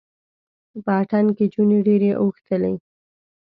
په اتڼ کې جونې ډیرې اوښتلې